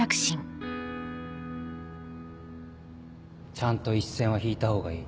ちゃんと一線は引いた方がいい